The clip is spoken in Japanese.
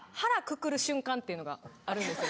瞬間っていうのがあるんですよ